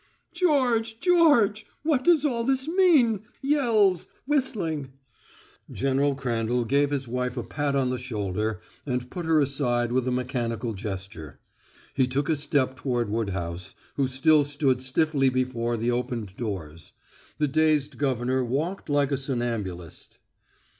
"George George! What does all this mean yells whistling " General Crandall gave his wife a pat on the shoulder and put her aside with a mechanical gesture. He took a step toward Woodhouse, who still stood stiffly before the opened doors; the dazed governor walked like a somnambulist.